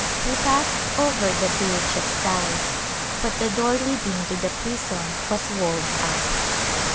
We passed over the Bridge of Sighs, but the door leading to the prison was walled up.